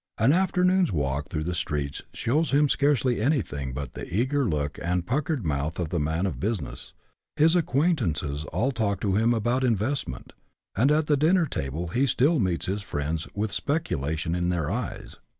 An afternoon's walk through the streets shows him scarcely anything but the eager look and puckered mouth of the man of business ; his acquaintances all talk to him about " investment," and at the dinner table he still meets his friends with " speculation in their eyes."